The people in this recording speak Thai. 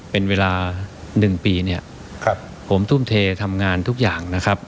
เป็นเวลา๑ปีเนี่ยครับผมทุ่มเททำงานทุกอย่างนะครับ